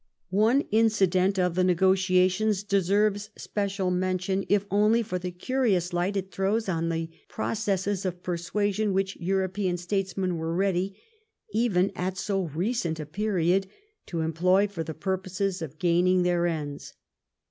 One incident of the negotiations deserves special mention, if only for the curious light it throws on the processes of persuasion which European statesmen were ready, even at so recent a period, to employ for the purpose of gaining their ends.